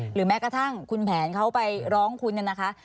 หรือแม้กระทั่งคุณแผนเขาไปร้องคุณเนี่ยนะคะ